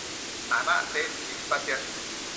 tanac tedtsi icpatsiash?